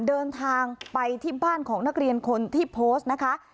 เดินทางไปที่บ้านของนักเรียนคนที่โพสต์นะคะ